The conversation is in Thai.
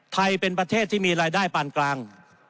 ไทยเป็นประเทศที่มีรายได้ปานกลาง